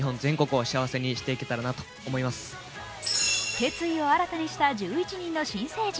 決意を新たにした１１人の新成人。